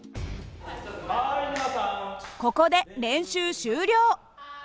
ここで練習終了。